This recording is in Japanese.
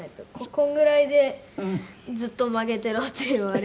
このぐらいで「ずっと曲げてろ」って言われるから。